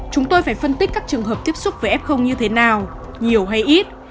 chúng tôi phải phân tích các trường hợp tiếp xúc với f như thế nào nhiều hay ít